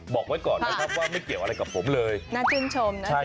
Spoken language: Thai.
บอกไว้ก่อนนะครับว่าไม่เกี่ยวอะไรกับผมเลย